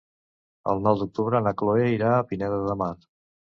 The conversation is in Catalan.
El nou d'octubre na Cloè irà a Pineda de Mar.